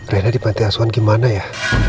rena di pantai aswan gimana ya